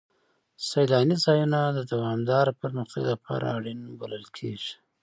سیلاني ځایونه د دوامداره پرمختګ لپاره اړین بلل کېږي.